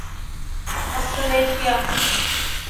Australasia